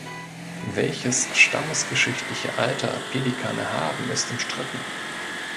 Welches stammesgeschichtliche Alter Pelikane haben, ist umstritten.